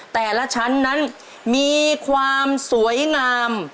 แต่ละชั้นนั้นมีความสวยงาม